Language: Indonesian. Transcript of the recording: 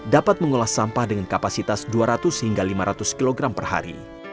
dapat mengolah sampah dengan kapasitas dua ratus hingga lima ratus kg per hari